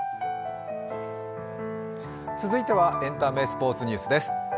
続いてはエンタメスポーツニュースです。